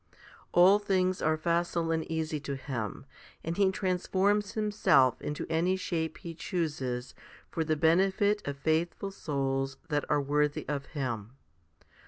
2 ' All things are facile and easy to Him, and He transforms Himself into any shape He chooses for the benefit of faithful souls that are worthy of Him.